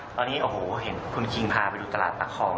ตอนนี้กระโหวเห็นคุณชิงพาขนไทยไปดูตลาดตักของ